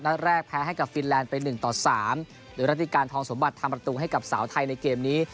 แรกแพ้ให้กับฟินแลนด์ไป๑ต่อ๓หรือรัติการทองสมบัติทำประตูให้กับสาวไทยในเกมนี้